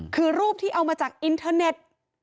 คือรูปที่เอามาจากอินเทอร์เน็ต